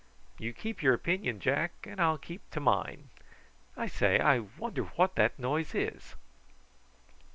"You keep your opinion, Jack, and I'll keep to mine. I say, I wonder what that noise is!"